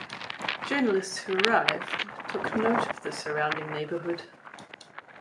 Journalists who arrived took note of the surrounding neighborhood.